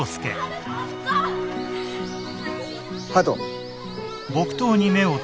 鳩。